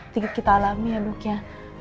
tidak kita alami ya dok ya